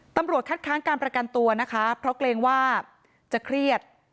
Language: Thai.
ตำรวจคัดค้างการประกันตัวนะคะเพราะเกรงว่าจะเครียด